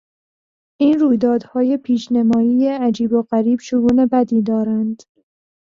این رویدادهای پیشنمایی عجیب و غریب شگون بدی دارند.